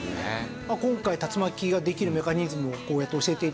今回竜巻ができるメカニズムをこうやって教えて頂いたり。